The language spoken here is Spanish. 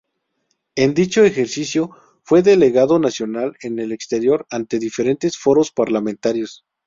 En dicho ejercicio fue delegado nacional en el exterior ante diferentes foros parlamentarios.